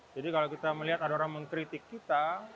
jadi kalau kita melihat ada orang mengkritik kita